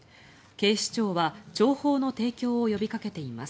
警視庁は情報の提供を呼びかけています。